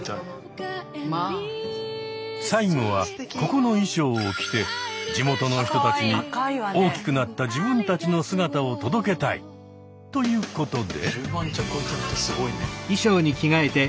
最後はここの衣装を着て地元の人たちに大きくなった自分たちの姿を届けたい。ということで。